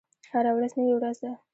هره ورځ نوې ورځ ده